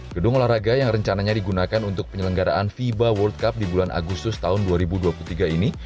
gedung olahraga yang rencananya digunakan untuk penyelenggaraan fiba world cup di bulan agustus tahun dua ribu dua puluh tiga ini